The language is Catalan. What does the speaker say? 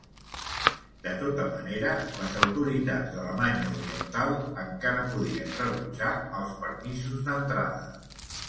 De tota manera, les autoritats d'Alemanya Oriental encara podien rebutjar els permisos d'entrada.